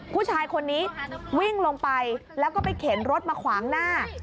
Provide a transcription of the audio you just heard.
ผู้ชายคนนี้วิ่งลงไปแล้วก็ไปเข็นรถมาขวางหน้า